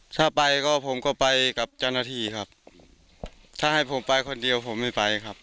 ถ้าไปก็ผมก็ไปกับเจ้าหน้าที่ครับถ้าให้ผมไปคนเดียวผมไม่ไปครับ